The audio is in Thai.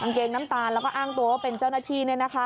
เกงน้ำตาลแล้วก็อ้างตัวว่าเป็นเจ้าหน้าที่